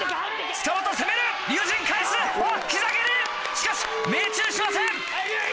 しかし命中しません。